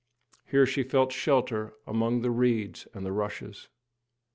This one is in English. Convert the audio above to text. Here she found shelter among the reeds and the rushes.